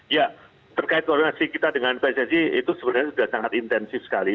ya terkait koordinasi kita dengan pssi itu sebenarnya sudah sangat intensif sekali